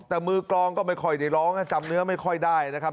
แต่มือกรองก็ไม่ค่อยได้ร้องจำเนื้อไม่ค่อยได้นะครับ